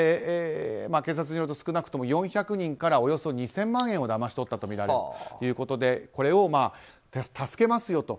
警察によると少なくとも４００人から２０００万円をだまし取ったとみられるということでこれを助けますよ